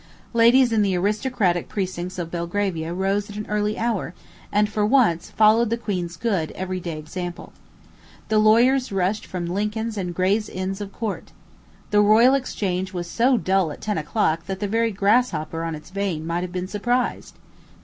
Ladies in the aristocratic precincts of Belgravia rose at an early hour, and, for once, followed the queen's good, every day example. The lawyers rushed from Lincoln's and Gray's Inns of Court. The Royal Exchange was so dull at ten o'clock that the very grasshopper on its vane might have been surprised.